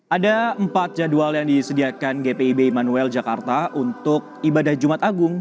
ada empat jadwal yang disediakan gpib immanuel jakarta untuk ibadah jumat agung